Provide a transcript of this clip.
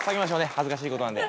恥ずかしいことなんで。